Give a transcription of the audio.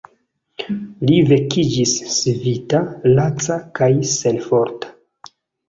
Li vekiĝis ŝvita, laca kaj senforta.